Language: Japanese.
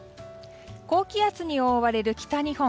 高気圧に覆われる北日本